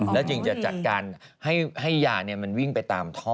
แล้วจึงจะจัดการให้ยามันวิ่งไปตามท่อ